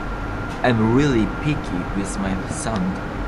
I'm really picky with my sound.